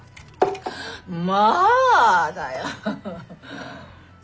「まああ」だよ。